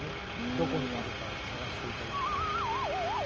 どこにあるかを探して。